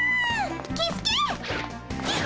キスケ！